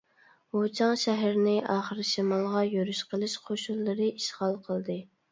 ۋۇچاڭ شەھىرىنى ئاخىر شىمالغا يۈرۈش قىلىش قوشۇنلىرى ئىشغال قىلدى.